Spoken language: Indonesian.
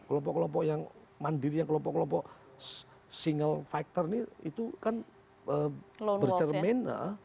kelompok kelompok yang mandiri yang kelompok kelompok single factor ini itu kan bercermin